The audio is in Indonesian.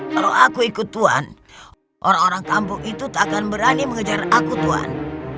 kalau aku ikut tuan orang orang kampung itu tak akan berani mengejar aku tuhan